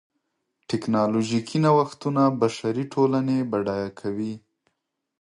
ټکنالوژیکي نوښتونه بشري ټولنې بډایه کوي.